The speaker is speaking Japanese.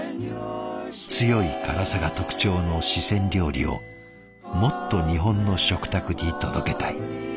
強い辛さが特徴の四川料理をもっと日本の食卓に届けたい。